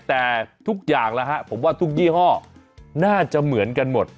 แต่ทุกอย่างแล้วฮะผมว่าทุกยี่ห้อน่าจะเหมือนกันหมด